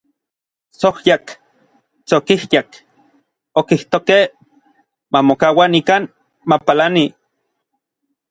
“Tsojyak, tsokijyak”, okijtokej, “mamokaua nikan, mapalani”.